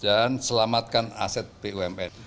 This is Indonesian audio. dan selamatkan aset pums